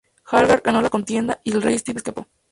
Harald ganó la contienda y el rey Svend escapó.